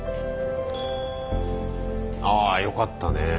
あよかったね。